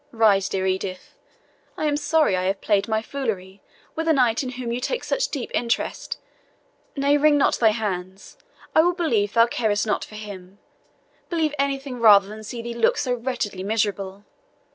Rise, dear Edith. I am sorry I have played my foolery with a knight in whom you take such deep interest. Nay, wring not thy hands; I will believe thou carest not for him believe anything rather than see thee look so wretchedly miserable.